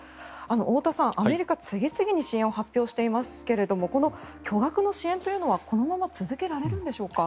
太田さん、アメリカは次々に支援を発表していますがこの巨額の支援というのはこのまま続けられるんでしょうか。